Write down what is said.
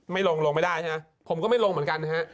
ไม่ลงลงไม่ได้ฮะผมก็ไม่ลงเหมือนกันฮะ